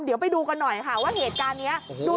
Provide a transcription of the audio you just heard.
เดี๋ยวไปดูกันหน่อยค่ะว่าเหตุการณ์นี้ดู